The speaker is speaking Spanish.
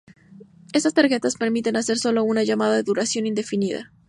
Estas tarjetas permiten hacer solo una llamada de duración indefinida.